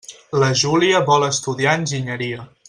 La Júlia vol estudiar enginyeria.